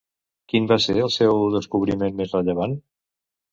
Quin va ser el seu descobriment més rellevant?